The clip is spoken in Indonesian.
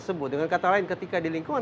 sebelumnya kita bisa latihan